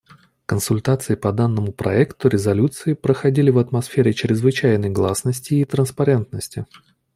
Консультации по данному проекту резолюции проходили в атмосфере чрезвычайной гласности и транспарентности.